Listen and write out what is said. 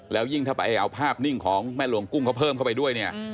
แล้วยิ่งถ้าไปเอาภาพนิ่งของแม่หลวงกุ้งเขาเพิ่มเข้าไปด้วยเนี่ย